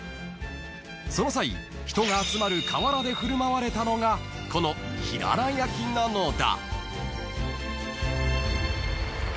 ［その際人が集まる河原で振る舞われたのがこのひらら焼きなのだ］